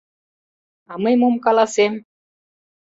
А мый мом каласем?